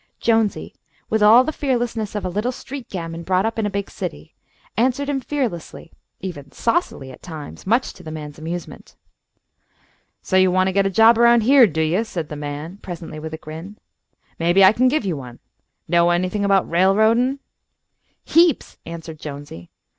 Jonesy, with all the fearlessness of a little street gamin brought up in a big city, answered him fearlessly, even saucily at times, much to the man's amusement. "So you want to get a job around here, do you?" said the man, presently, with a grin. "Maybe I can give you one. Know anything about railroadin'?" "Heaps," answered Jonesy.